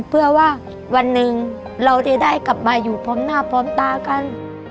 เพื่อว่าวันหนึ่งเราจะได้กลับมาอยู่พร้อมหน้าพร้อมตากัน